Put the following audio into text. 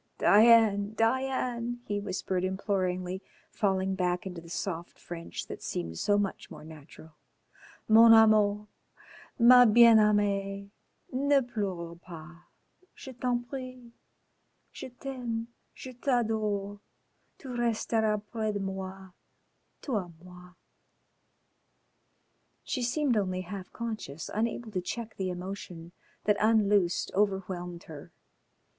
"Diane, Diane," he whispered imploringly, falling back into the soft French that seemed so much more natural. "Mon amour, ma bien aimee. Ne pleures pas, je t'en prie. Je t'aime, je t'adore. Tu resteras pres de moi, tout a moi." She seemed only half conscious, unable to check the emotion that, unloosed, overwhelmed her.